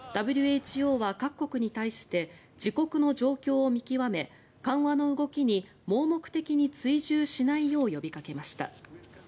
ＷＨＯは各国に対して自国の状況を見極め緩和の動きに盲目的に追従しないよう呼びかけました。